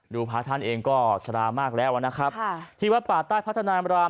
รูพาท่านเองก็สร้างมากแล้วนะครับที่วัดป่าดใต้พระธนาอำราม